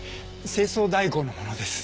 清掃代行の者です。